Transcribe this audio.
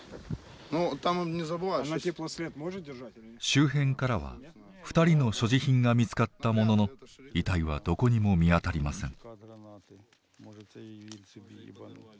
周辺からは２人の所持品が見つかったものの遺体はどこにも見当たりません。